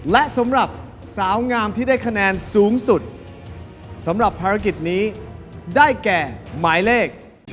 และสำหรับสาวงามที่ได้คะแนนสูงสุดสำหรับภารกิจนี้ได้แก่หมายเลข